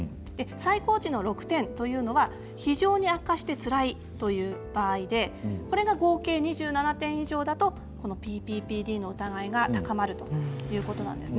最高値の６点は非常に悪化してつらいという場合で合計２７点以上だとＰＰＰＤの疑いが高まります。